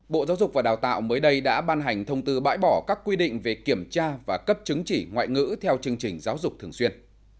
bộ giáo dục và đào tạo mới đây đã ban hành thông tư bãi bỏ các quy định về kiểm tra và cấp chứng chỉ ngoại ngữ theo chương trình giáo dục thường xuyên